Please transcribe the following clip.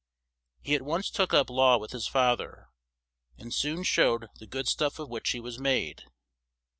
He at once took up law with his fa ther, and soon showed the good stuff of which he was made.